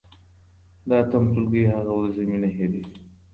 د اتم ټولګي هغه ورځې مي نه هېرېږي.